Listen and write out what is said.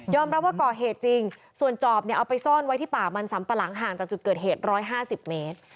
รับว่าก่อเหตุจริงส่วนจอบเนี่ยเอาไปซ่อนไว้ที่ป่ามันสำปะหลังห่างจากจุดเกิดเหตุ๑๕๐เมตร